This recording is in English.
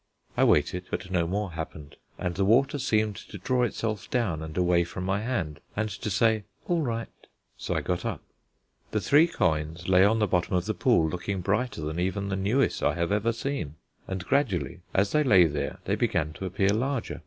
I waited, but no more happened, and the water seemed to draw itself down and away from my hand, and to say "All right." So I got up. The three coins lay on the bottom of the pool looking brighter than even the newest I have ever seen, and gradually as they lay there they began to appear larger.